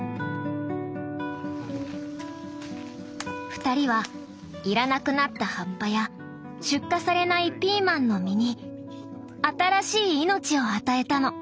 ２人は要らなくなった葉っぱや出荷されないピーマンの実に新しい命を与えたの！